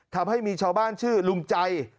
ทำให้มีชาวบ้านชื่อลุงใจ